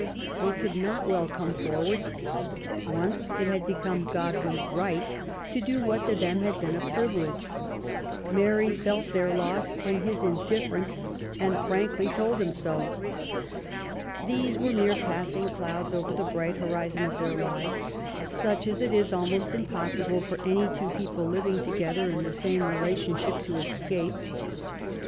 They could not well come forward, once it had become Godwin's right to do what to them had been a privilege. Mary felt their loss and his indifference, and frankly told him so. These were mere passing clouds over the bright horizon of their lives, such as it is almost impossible for any two people living together in the same relation ship to escape.